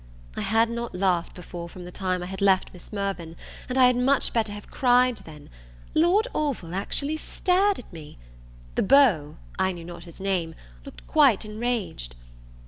I had not laughed before from the time I had left Miss Mirvan, and I had much better have cried then; Lord Orville actually stared at me; the beau, I know not his name, looked quite enraged.